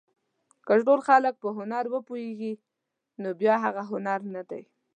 که ټول خلک په هنر وپوهېږي نو بیا هغه هنر نه دی.